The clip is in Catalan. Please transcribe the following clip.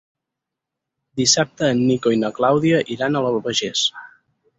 Dissabte en Nico i na Clàudia iran a l'Albagés.